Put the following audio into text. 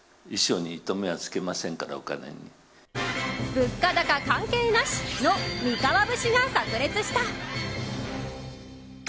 物価高関係なしの美川節が炸裂した。